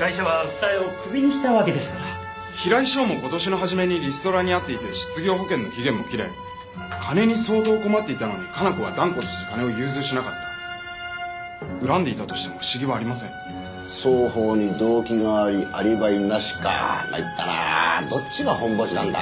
ガイシャは房江をクビにしたわけですから平井翔も今年の初めにリストラに遭っていて失業保険の期限も切れ金に相当困っていたのに加奈子は断固として金を融通しなかった恨んでいたとしても不思議はありません双方に動機がありアリバイなしか参ったなどっちがホンボシなんだ？